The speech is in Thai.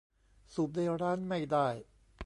สูบในร้านไม่ได้